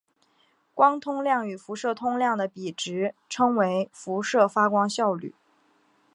光通量与辐射通量的比值称为辐射发光效率。